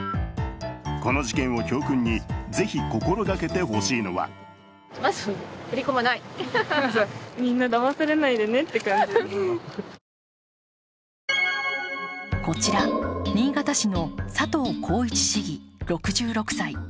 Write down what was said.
この事件を教訓に、ぜひ心がけてほしいのはこちら、新潟市の佐藤耕一市議６６歳。